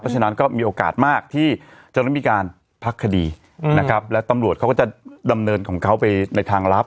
ฉะนั้นก็มีโอกาสมากที่จะได้มีการพักคดีนะครับแล้วตำรวจเขาก็จะดำเนินของเขาไปในทางลับ